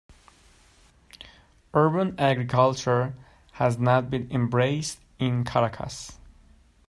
Urban agriculture has not been embraced in Caracas.